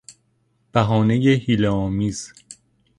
بهانهی حیله آمیز